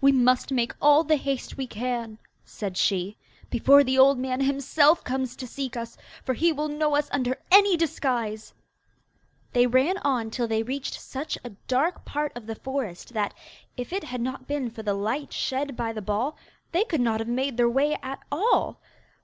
'We must make all the haste we can,' said she, 'before the old man himself comes to seek us, for he will know us under any disguise.' They ran on till they reached such a dark part of the forest that, if it had not been for the light shed by the ball, they could not have made their way at all.